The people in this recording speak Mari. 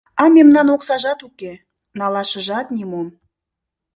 А мемнан оксажат уке, налашыжат нимом.